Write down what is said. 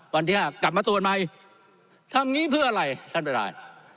วันที่ห้ากลับมาตรวจใหม่ทำงี้เพื่ออะไรท่านประธาน